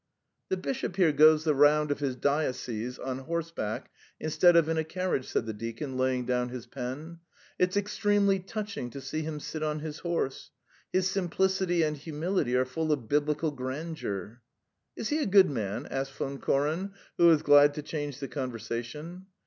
"The bishop here goes the round of his diocese on horseback instead of in a carriage," said the deacon, laying down his pen. "It's extremely touching to see him sit on his horse. His simplicity and humility are full of Biblical grandeur." "Is he a good man?" asked Von Koren, who was glad to change the conversation.